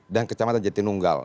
dan kecamatan jati nunggal